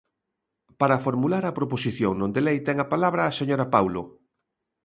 Para formular a proposición non de lei, ten a palabra a señora Paulo.